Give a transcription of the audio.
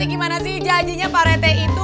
gimana sih janjinya pak rete itu